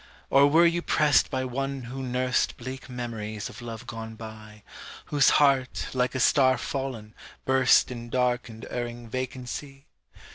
Or were you prest by one who nurst Bleak memories of love gone by, Whose heart, like a star fallen, burst In dark and erring vacancy?